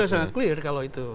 ya sangat clear kalau itu